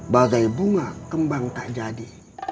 bagai bunga kembang tak jadi